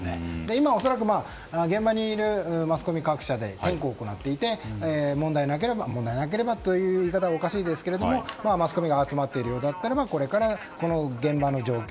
今、恐らく現場にいるマスコミ各社で点呼を行っていて問題なければという言い方はおかしいですけどマスコミが集まっているようならこれから現場の状況